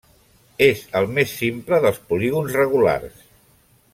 És el més simple dels polígons regulars.